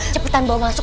cepetan bawa masuk